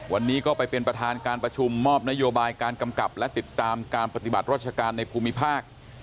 วันนี้ก็ไปเป็นประธานการประชุมมอบนโยบายการกำกับและติดตามการปฏิบัติราชการในภูมิภาค